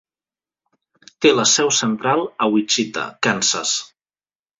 Té la seu central a Wichita, Kansas.